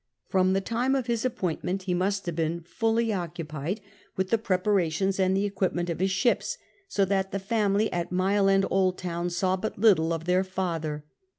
From the time of his appointment he must have been fully occupied with 88 CAPTAIN COON CHAP. YII the preparations and the equipment of his ships, so that the family at Mile End Old Town saw but little of their father.